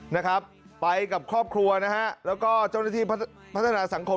นะครับไปกับครอบครัวนะฮะแล้วก็เจ้าหน้าที่พัฒนาสังคม